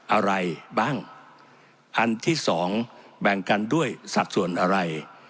อะไรบ้างพันที่สองแบ่งกันด้วยสัดส่วนอะไร